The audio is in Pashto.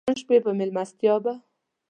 د نن شپې په مېلمستیا به.